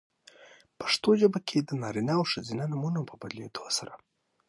پښتو ژبه کې د نارینه او ښځینه نومونو په بدلېدو سره؛